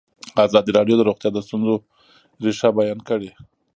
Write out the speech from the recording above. ازادي راډیو د روغتیا د ستونزو رېښه بیان کړې.